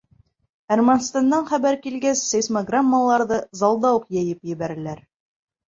Әрмәнстандан хәбәр килгәс, сейсмограммаларҙы залда уҡ йәйеп ебәрәләр.